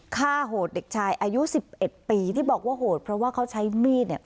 ฆ่าโหดเด็กชายอายุสิบเอ็ดปีที่บอกว่าโหดเพราะว่าเขาใช้มีดเนี่ย